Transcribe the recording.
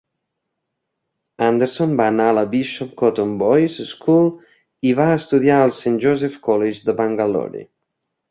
Anderson va anar a la Bishop Cotton Boys 'School i va estudiar al Saint Joseph's College de Bangalore.